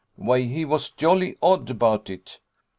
"Why, he was jolly odd about it.